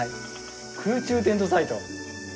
「空中テントサイト」